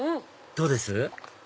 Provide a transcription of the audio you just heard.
どうです？